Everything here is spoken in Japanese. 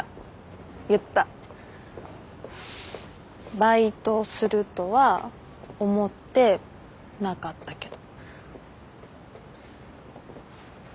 バイトするとは思ってなかったけど。